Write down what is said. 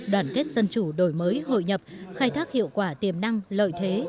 đoàn kết dân chủ đổi mới hội nhập khai thác hiệu quả tiềm năng lợi thế